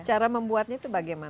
cara membuatnya itu bagaimana